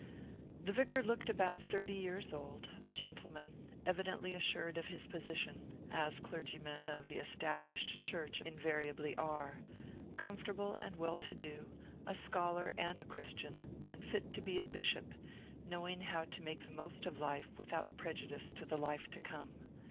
The vicar looked about thirty years old, a gentleman, evidently assured of his position (as clergymen of the Established Church invariably are), comfortable and well to do, a scholar and a Christian, and fit to be a bishop, knowing how to make the most of life without prejudice to the life to come.